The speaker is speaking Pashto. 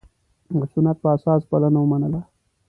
د سنت په اساس بلنه ومنله.